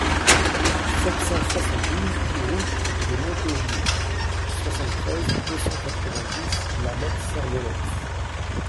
sept cent soixante-douze route de Montaugier, soixante-treize, deux cent quatre-vingt-dix, La Motte-Servolex